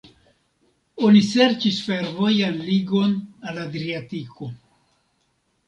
Oni serĉis fervojan ligon al Adriatiko.